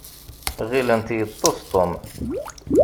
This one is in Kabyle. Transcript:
Ɣilent yeḍḍes Tom.